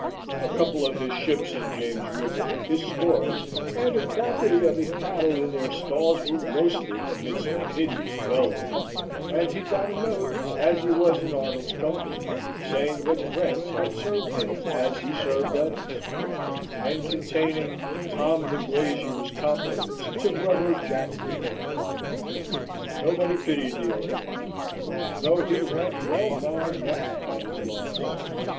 A couple of his ships in James River, his stores, and a quantity of his cattle in their stalls were roasted amidst a hideous bellowing; and he got a note, as he was in Arnold's company, saying that friends had served him as he served others; and containing "Tom the Glazier's compliments to brother Jack the Painter." Nobody pitied the old man, though he went well nigh mad at his loss.